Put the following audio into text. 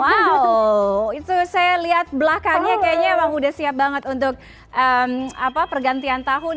wow itu saya lihat belakangnya kayaknya emang udah siap banget untuk pergantian tahun